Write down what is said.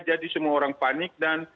jadi semua orang panik dan